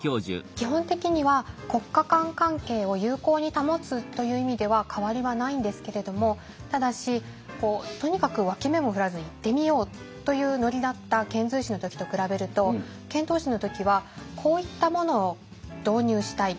基本的には国家間関係を友好に保つという意味では変わりはないんですけれどもただしこうとにかく脇目も振らず行ってみようというノリだった遣隋使の時と比べると遣唐使の時はこういったものを導入したい。